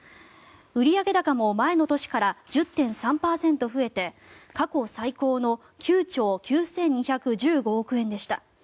売上高も前の年から１０．３％増えて過去最高の９兆９２１５億円でした。